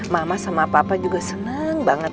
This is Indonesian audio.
mama sama papa juga senang banget